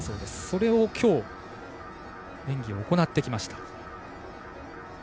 それをきょう演技を行ってきました。